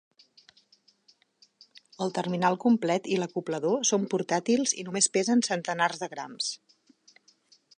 El terminal complet i l'acoplador són portàtils i només pesen centenars de grams.